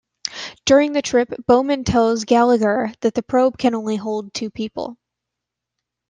During the trip, Bowman tells Gallagher that the probe can hold only two people.